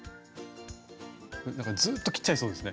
なんかずっと切っちゃいそうですね。